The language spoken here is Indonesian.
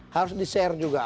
harus di share juga